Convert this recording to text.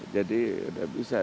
jadi udah bisa